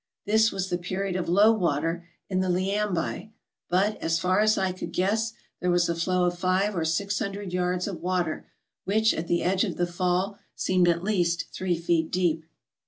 This was the period of low water in the Leeambye ; but, as far as I could guess, there was a flow of five or six hundred yards of water, which, at the edge of the fall, seemed at least three feet deep.